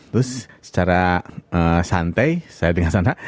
terus secara santai saya dengan santai